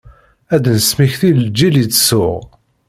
Ad d-nesmekti lğil yettsuɣ.